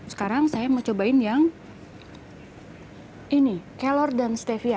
sekarang saya mau cobain yang ini kelor dan stevia